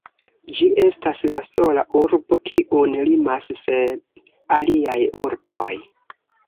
Ĝi estas la sola urbo, kiun limas sep aliaj urboj.